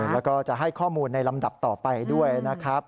แล้วก็จะให้ข้อมูลในลำดับต่อไปด้วยนะครับ